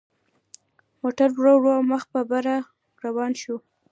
موټر ورو ورو مخ په بره روان شو.